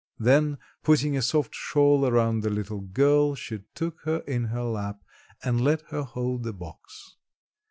Then putting a soft shawl around the little girl she took her in her lap and let her hold the box.